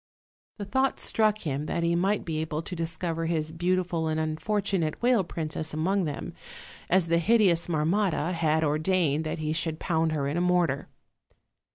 The thought struck him that he might be able to dis OLD, OLD FAIRY TALES. cover his beautiful and unfortunate whale princess among them; as the hideous Marmotta had ordained that he should pound her in a mortar.